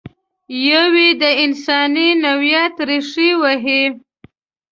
یو یې د انساني نوعیت ریښې وهي.